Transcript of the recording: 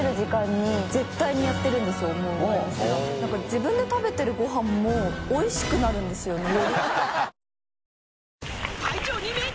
燭自分で食べてるご飯もおいしくなるんですよね。